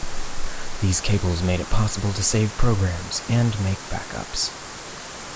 These cables made it possible to save programs and make backups.